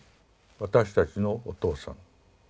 「私たちのお父さん」。